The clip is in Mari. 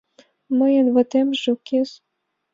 Мыйын ватемже укес...